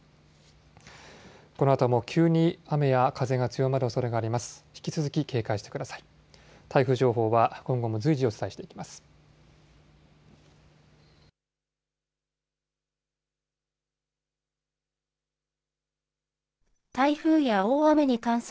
このあとも急に雨や風が強まるおそれがあります。